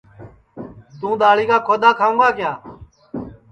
تُوں دؔاݪی کا کھودؔا کھاؤں گا کِیا